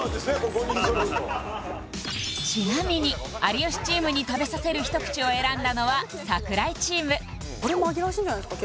５人揃うとちなみに有吉チームに食べさせるひと口を選んだのは櫻井チームこれ紛らわしいんじゃないですか